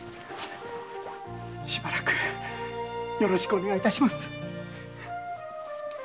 しばらくよろしくお願いいたします。